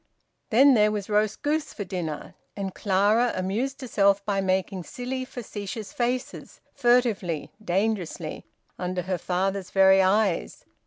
Then there was roast goose for dinner, and Clara amused herself by making silly facetious faces, furtively, dangerously, under her father's very eyes.